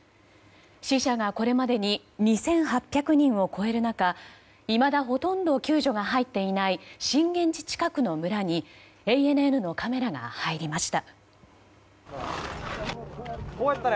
死者がこれまでに２８００人を超える中いまだほとんど救助が入っていない震源地近くの村にＡＮＮのカメラが入りました。